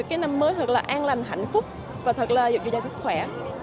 em mới thật là an lành hạnh phúc và thật là được gửi lời chúc sức khỏe